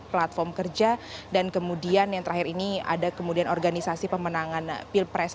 platform kerja dan kemudian yang terakhir ini ada kemudian organisasi pemenangan pilpres